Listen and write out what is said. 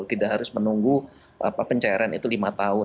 tidak harus menunggu pencairan itu lima tahun